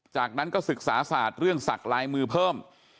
จากนั้นก็ศึกษาศาสตร์เรื่องศักดิ์ลายมือเพิ่ม